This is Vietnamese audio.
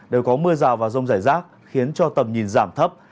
đều có mưa rào và rông rải rác khiến cho tầm nhìn giảm thấp